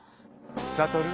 サトル。